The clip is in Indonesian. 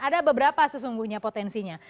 ada beberapa sesungguhnya potensinya